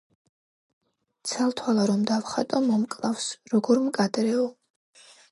ცალთვალა რომ დავხატო, მომკლავს, როგორ მკადრეო;